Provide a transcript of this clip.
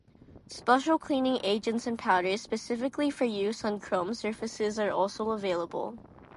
Special cleaning agents and powders specifically for use on chrome surfaces are also available.